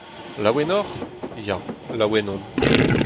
Laouen oc'h ? Ya, laouen omp.